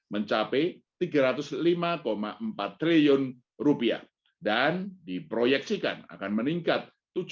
mencapai rp tiga ratus lima empat triliun dan diproyeksikan akan meningkat tujuh belas